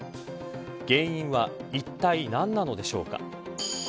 原因はいったい何なのでしょうか。